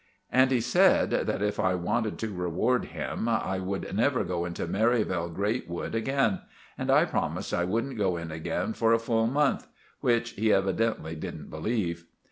And he said that if I wanted to reward him, I would never go into Merivale Grate Wood again; and I promised I wouldn't go in again for a full month. Which he evvidently didn't believe.